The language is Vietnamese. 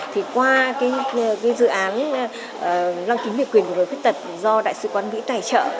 thì qua dự án lăng kính về quyền của người khuyết tật do đại sứ quán mỹ tài trợ